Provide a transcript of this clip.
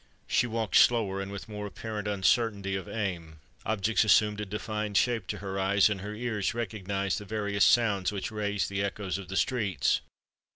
She walked slower, and with more apparent uncertainty of aim; objects assumed a defined shape to her eyes; and her ears recognised the various sounds which raised the echoes of the streets.